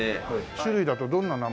種類だとどんな名前のやつが？